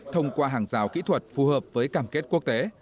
thông qua hàng rào kỹ thuật phù hợp với cảm kết quốc tế